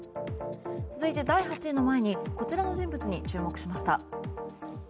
続いて、第８位の前にこちらの人物に注目しました。